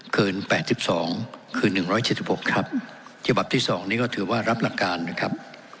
เกินแปดสิบสองคือหนึ่งร้อยเจ็ดสิบหกครับฉบับที่สองนี้ก็ถือว่ารับหลักการนะครับ